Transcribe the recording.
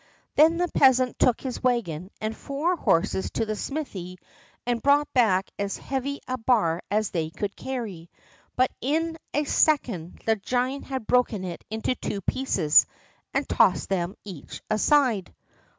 Then the peasant took his wagon and four horses to the smithy and brought back as heavy a bar as they could carry. But in a second the giant had broken it into two pieces and tossed them each aside.